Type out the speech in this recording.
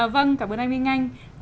vâng cảm ơn anh minh anh